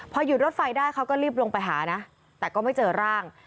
พอหยุดรถไฟได้เขาก็รีบลงไปหานะแต่ก็ไม่เจอร่าง